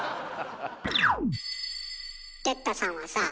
哲太さんはさぁ。